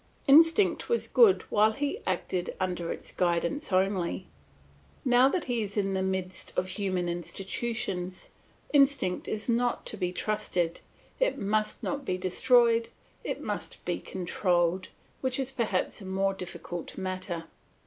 Instinct was good while he acted under its guidance only; now that he is in the midst of human institutions, instinct is not to be trusted; it must not be destroyed, it must be controlled, which is perhaps a more difficult matter.